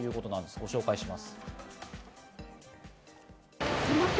ご紹介します。